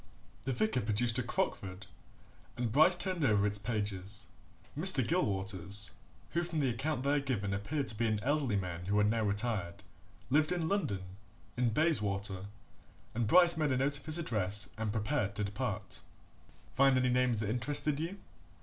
The vicar produced a "Crockford", and Bryce turned over its pages. Mr. Gilwaters, who from the account there given appeared to be an elderly man who had now retired, lived in London, in Bayswater, and Bryce made a note of his address and prepared to depart. "Find any names that interested you?"